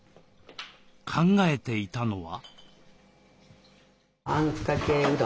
考えていたのは。